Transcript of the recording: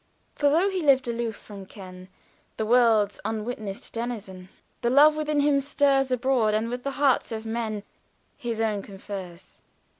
"For though he lived aloof from ken, The world's unwitnessed denizen, The love within him stirs Abroad, and with the hearts of men His own confers."